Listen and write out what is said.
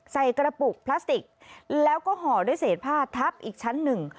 ใส่กระปุกพลาสติกแล้วก็ห่อด้วยเศษผ้าทับอีกชั้นหนึ่ง